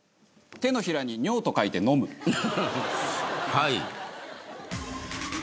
はい。